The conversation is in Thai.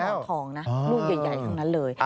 ทุเรียนนะโดยเฉพาะมันทองนะลูกใหญ่ของนั้นเลย